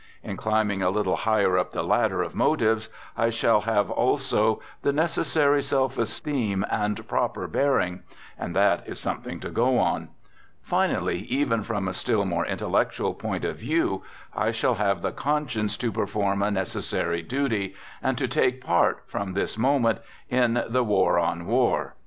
In climb ing a little higher up the ladder of motives, I shall {Letter of Marcel tteve) "THE GOOD SOLDIER" 55 have also the necessary self esteem and proper bear ing; and that is something to go on. Finally, even from a still more intellectual point of view, I shall have the conscience to perform a necessary duty, and to take part, from this moment, in the "war on war.